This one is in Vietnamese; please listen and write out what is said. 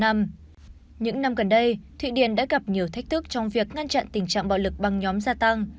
những năm gần đây thụy điển đã gặp nhiều thách thức trong việc ngăn chặn tình trạng bạo lực băng nhóm gia tăng